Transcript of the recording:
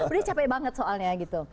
sebenarnya capek banget soalnya gitu